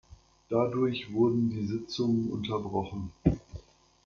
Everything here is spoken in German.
Dadurch wurden die Sitzungen unterbrochen.